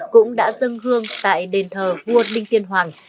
cũng đã dân hương tại đền thờ vua linh tiên hoàng